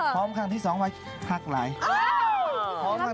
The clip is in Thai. แต่ที่สองพวกพวกพวกได้แก้มแล้ว